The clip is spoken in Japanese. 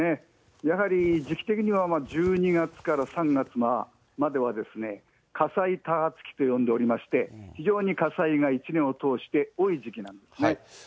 やはり時期的には１２月から３月までは火災多発期と呼んでおりまして、非常に火災が１年を通して多い時期ですね。